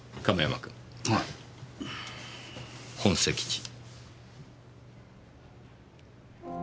本籍地。